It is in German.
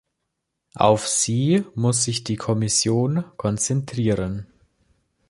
Auf sie muss sich die Kommission konzentrieren.